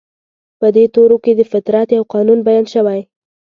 په دې تورو کې د فطرت يو قانون بيان شوی.